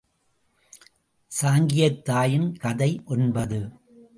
சாங்கியத் தாயின் கதை ஒன்பது.